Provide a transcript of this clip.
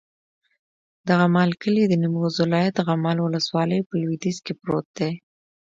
د غمال کلی د نیمروز ولایت، غمال ولسوالي په لویدیځ کې پروت دی.